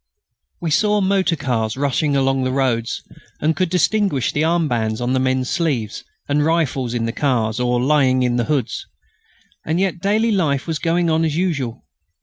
We saw motor cars rushing along the roads, and could distinguish the armbands on the men's sleeves, and rifles in the cars or lying in the hoods. And yet daily life was going on as usual.